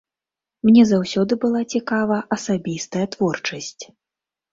Мне заўсёды была цікава асабістая творчасць.